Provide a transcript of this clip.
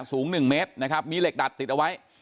สูง๑เมตรนะครับมีเหล็กดัดติดเอาไว้